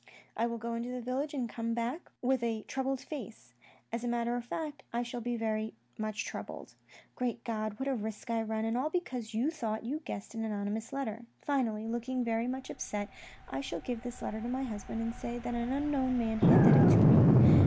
" I will go into the village and come back with a troubled face. As a matter of fact I shall be very much troubled. Great God ! What a risk I run, and all because you thought you guessed an anonymous letter. Finally, looking very much upset, I shall give this letter to my husband and say that an unknown man handed it to me.